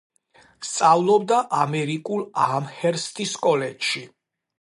სწავლობდა ამერიკულ ამჰერსტის კოლეჯში.